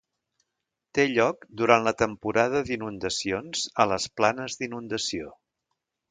Té lloc durant la temporada d'inundacions a les planes d'inundació.